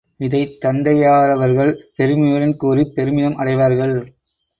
இதைத் தந்தையாரவர்கள் பெருமையுடன் கூறிப் பெருமிதம் அடைவார்கள்.